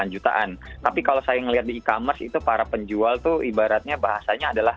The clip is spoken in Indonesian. delapan jutaan tapi kalau saya melihat di e commerce itu para penjual tuh ibaratnya bahasanya adalah